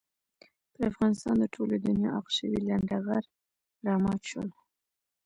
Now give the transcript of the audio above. پر افغانستان د ټولې دنیا عاق شوي لنډه غر را مات شول.